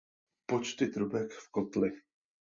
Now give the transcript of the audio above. Počty trubek v kotli.